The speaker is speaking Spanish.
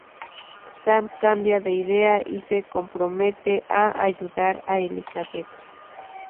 Sam cambia de idea y se compromete a ayudar a Elizabeth.